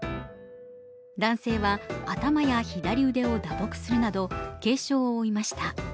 男性は頭や左腕を打撲するなど軽傷を負いました。